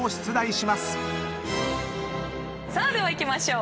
さあではいきましょう。